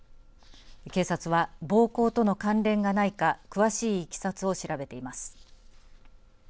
警察は暴行との関連がないか詳しいいきさつを調べています。